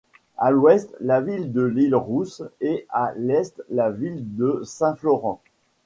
À l'ouest, la ville de L'Île-Rousse et à l'Est la ville de Saint-Florent.